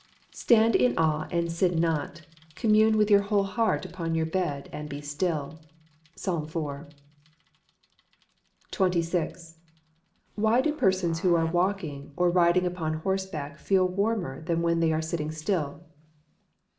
[Verse: "Stand in awe and sin not: commune with your own heart upon your bed and be still" PSALM IV.] 26. _Why do persons who are walking, or riding upon horseback feel warmer than when they are sitting still?